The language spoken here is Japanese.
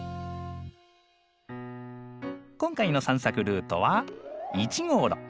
今回の散策ルートは１号路。